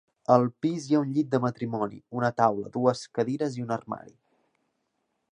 Al pis hi ha un llit de matrimoni, una taula, dues cadires i un armari.